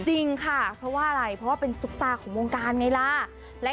จริงค่ะเพราะว่าอะไรเพราะว่าเป็นซุปตาของวงการไงล่ะ